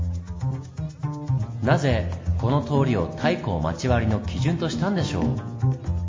なぜこの通りを太閤町割の基準としたんでしょう？